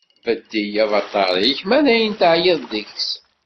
Beddel avaṭar-ik ma dayen teɛyiḍ deg-s.